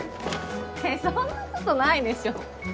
そんなことないでしょ。